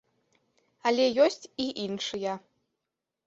Але ёсць і іншыя.